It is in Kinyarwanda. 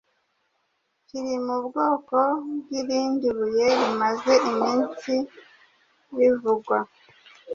kiri mu bwoko bw’irindi buye rimaze iminsi rivugwa